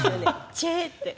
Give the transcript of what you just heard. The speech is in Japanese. チェー！って。